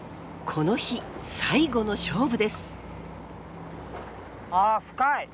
この日最後の勝負です！